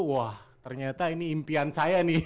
wah ternyata ini impian saya nih